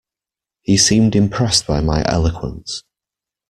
He seemed impressed by my eloquence.